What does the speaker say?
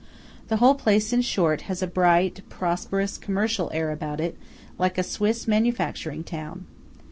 The whole place, in short, has a bright, prosperous, commercial air about it, like a Swiss manufacturing town.